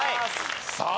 さあ